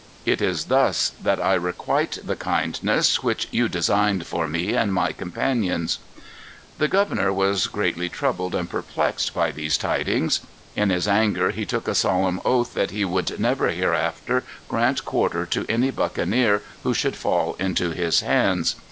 It is thus that I requite the kindness, which you designed for me and my companions." The governor was greatly troubled and perplexed by these tidings. In his anger he took a solemn oath that he would never hereafter grant quarter to any buccaneer who should fall into his hands.